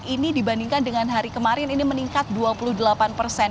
ini dibandingkan dengan hari kemarin ini meningkat dua puluh delapan persen